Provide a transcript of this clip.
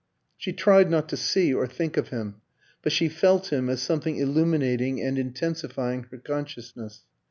She tried not to see or think of him; but she felt him as something illuminating and intensifying her consciousness.